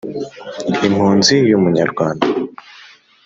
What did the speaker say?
impunzi y'umunyarwanda,